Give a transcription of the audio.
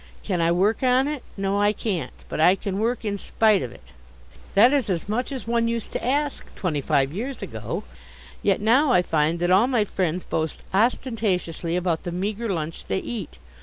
Can I work on it? No, I can't, but I can work in spite of it. That is as much as one used to ask, twenty five years ago. Yet now I find that all my friends boast ostentatiously about the meagre lunch they eat.